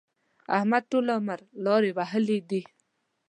احمد ټول عمر لارې وهلې دي.